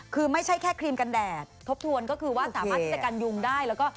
คือไม่ใช่แค่ครีมกันแดดทบทวนก็คือว่าสามารถที่จะกันยุงได้แล้วก็